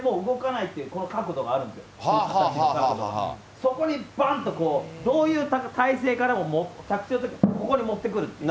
そこにばんっと、どういう体勢からも着地のときここに持ってくる。